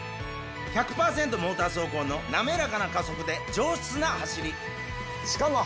モーター走行の滑らかな加速で上質な走りしかも。